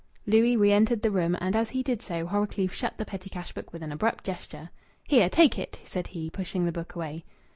Louis re entered the room, and as he did so Horrocleave shut the petty cash book with an abrupt gesture. "Here, take it!" said he, pushing the book away.